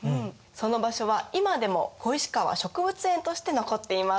その場所は今でも小石川植物園として残っています。